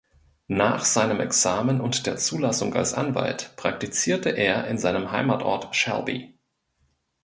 Nach seinem Examen und der Zulassung als Anwalt praktizierte er in seinem Heimatort Shelby.